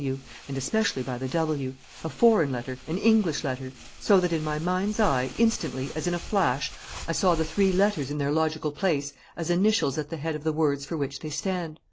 W.,' and especially by the 'W.', a foreign letter, an English letter. So that in my mind's eye, instantly, as in a flash, I saw the three letters in their logical place as initials at the head of the words for which they stand.